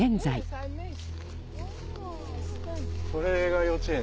これが幼稚園。